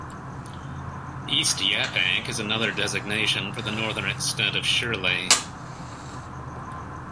East Yaphank is another designation for the northern extent of Shirley.